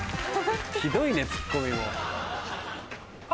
ひどいねツッコミも。